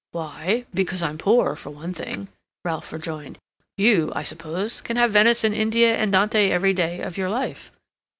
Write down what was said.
"Why? Because I'm poor, for one thing," Ralph rejoined. "You, I suppose, can have Venice and India and Dante every day of your life."